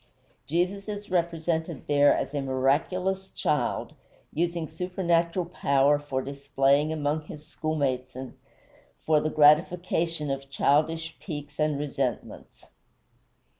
Jesus is represented there as a miraculous child, using supernatural power for display among his schoolmates and for the gratification of childish piques and resentments.